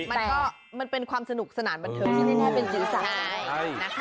ก็มันเป็นความสนุกสนานบันเทิงที่นี่น่าจะเป็นอยู่ซ้ายนะคะ